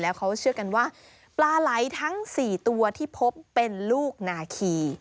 เขาเชื่อกันว่าปลาไหลทั้ง๔ตัวที่พบเป็นลูกนาคี